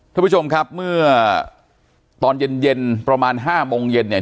ท่านผู้ชมครับเมื่อตอนเย็นเย็นประมาณ๕โมงเย็นเนี่ย